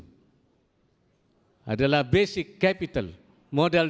hai adalah basic capital modal